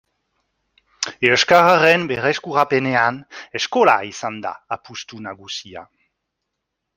Euskararen berreskurapenean eskola izan da apustu nagusia.